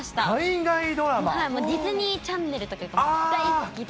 ディズニーチャンネルとかが大好きで。